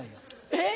えっ！